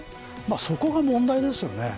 そこが問題ですよね。